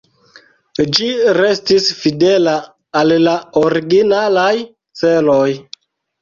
Ĝi restis fidela al la originalaj celoj.